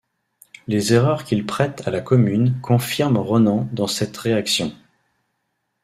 Les erreurs qu'il prête à la Commune confirment Renan dans cette réaction.